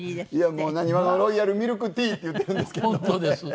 もう「なにわのロイヤルミルクティー」って言ってるんですけどもね。